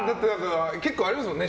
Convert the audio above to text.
結構ありますよね。